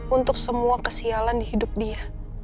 untuk semua kesialan di hidup dia